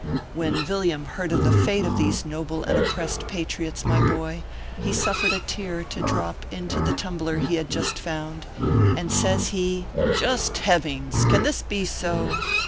When Yilliam heard of the fate of these noble and oppressed patriots, my boy, he suffered a tear to drop into the tumbler he had just found, and says he : "Just Hevings ! can this be so?